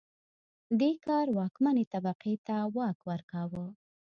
دې کار واکمنې طبقې ته واک ورکاوه